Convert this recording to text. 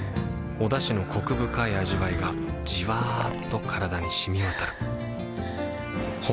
おだしのコク深い味わいがじわっと体に染み渡るはぁ。